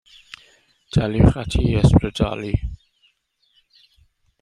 Daliwch ati i ysbrydoli.